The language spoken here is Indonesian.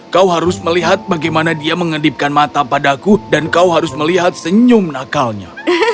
kau harus melihat bagaimana dia mengedipkan mata padaku dan kau harus melihat senyum nakalnya